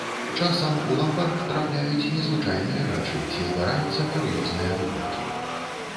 Часам у ламбард трапляюць незвычайныя рэчы ці здараюцца кур'ёзныя выпадкі.